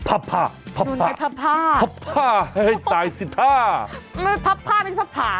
พับพ่าพับพ่าพับพ่าเฮ้ยตายสิท่าเอ้ยพับพ่าไม่ใช่พับผาก